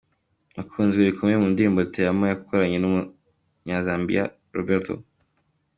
Akunzwe bikomeye mu ndirimbo ‘Te Amo’ yakoranye n’Umunya-Zambia Roberto.